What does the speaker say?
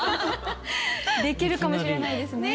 できるかもしれないですね。